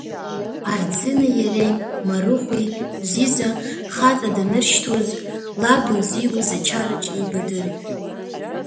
Арӡынеи иареи, Марыхәи, Зиза, хаҵа даныршьҭуаз, лаб илзиуз ачараҿ еибадырит.